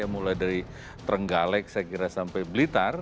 mulai dari trenggalek saya kira sampai blitar